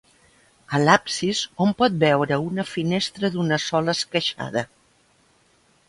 A l'absis hom pot veure una finestra d'una sola esqueixada.